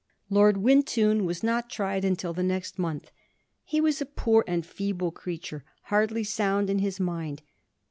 Lord Wintoun was not tried until the next month. He was a poor and feeble creature, hardly sound in his mind.